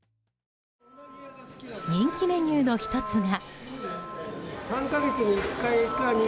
人気メニューの１つが。